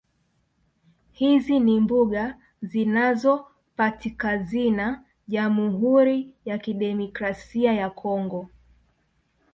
Hizi ni mbuga zinazopatikazna Jamhuri ya Kidemikrasia ya Congo